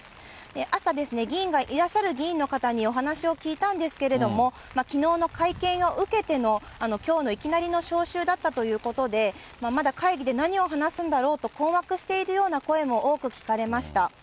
朝ですね、いらっしゃる議員の方にお話を聞いたんですけれども、きのうの会見を受けてのきょうのいきなりの招集だったということで、まだ会議で何を話すんだろうと困惑しているような声も多く聞かれました。